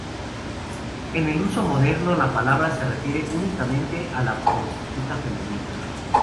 En el uso moderno, la palabra se refiere únicamente a la prostituta femenina.